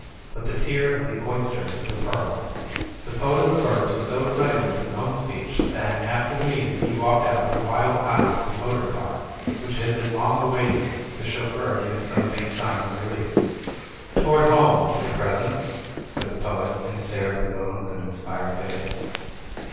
But the tear of the oyster is a pearl.'* The Poet of the Birds was so excited with his own speech that, after the meeting, he walked out with a wild eye to the motor car, which had been long await ing him, the chauffeur giving some faint signs of relief. "Toward home, for the present," said the poet, and stared at the moon with an inspired face.